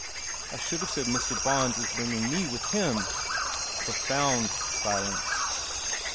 " I should have said Mr. Bons is bringing me with him." Profound silence.